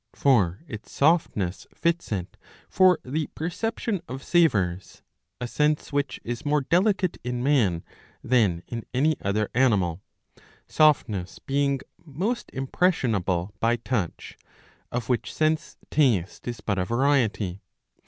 For its softness fits it for the perception of savours, a sense which is more delicate in man than in any other animal, softness being most impressionable by touch, of which sense taste is but a variety.